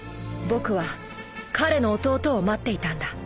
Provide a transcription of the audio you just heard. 僕は彼の弟を待っていたんだ。